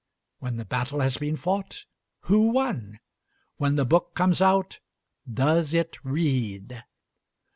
when the battle has been fought, Who won? when the book comes out, Does it read?